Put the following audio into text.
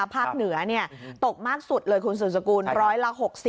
ภาคเหนือตกมากสุดเลยคุณสุดสกุลร้อยละ๖๐